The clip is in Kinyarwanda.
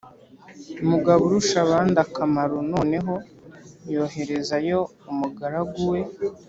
mugaburushabandakamaro noneho yoherezayo umugaragu we